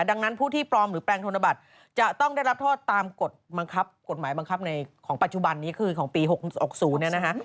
ดังนั้นผู้ที่ปลอมหรือแปลงธนบัตรจะต้องได้รับโทษตามกฎบังคับกฎหมายบังคับในของปัจจุบันนี้คือของปี๖๖๐เนี่ยนะฮะ